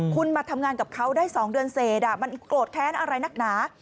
คุณมาทำงานกับเขาได้๒เดือนเสร็จมันโกรธแค้นอะไรนักหนา